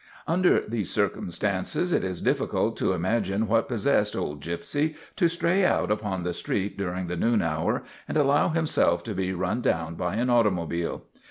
Under these circumstances it is difficult to imagine what possessed old Gypsy to stray out upon the street during the noon hour and allow himself to be run down by an automobile.